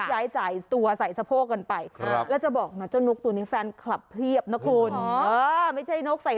แล้วนี่เห็นไหมมันเป็นนกที่อารมณ์ดี